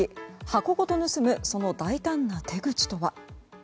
箱ごと盗むその大胆な手口とは。